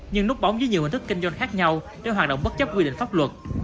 nhưng nút bóng dưới nhiều hình thức kinh doanh khác nhau để hoạt động bất chấp quy định pháp luật